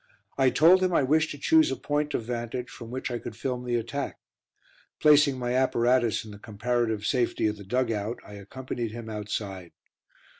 I told him I wished to choose a point of vantage from which I could film the attack. Placing my apparatus in the comparative safety of the dug out, I accompanied him outside.